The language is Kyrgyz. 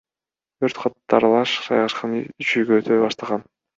Өрт катарлаш жайгашкан үч үйгө өтө баштаган.